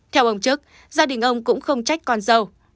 theo ông trức gia đình ông cũng không trách con dâu